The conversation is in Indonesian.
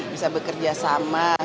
bisa bekerja sama